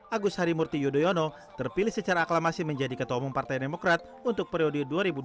agus harimurti yudhoyono terpilih secara aklamasi menjadi ketua umum partai demokrat untuk periode dua ribu dua puluh dua ribu dua puluh lima